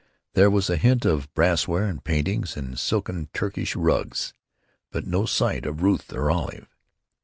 There was a hint of brassware and paintings and silken Turkish rugs. But no sight of Ruth or Olive.